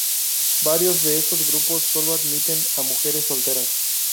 Varios de estos grupos solo admiten a mujeres solteras.